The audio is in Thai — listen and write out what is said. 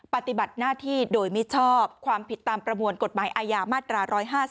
ปฏิบัติหน้าที่โดยมิชอบความผิดตามประมวลกฎหมายอาญามาตรา๑๕๒